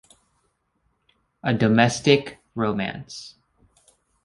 A Domestic Romance.